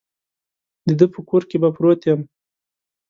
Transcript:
د ده په کور کې به پروت یم.